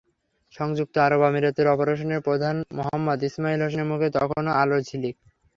সংযুক্ত আরব আমিরাতের অপারেশনের প্রধান মোহাম্মদ ইসমাইল হোসেনের মুখে তখন আলোর ঝিলিক।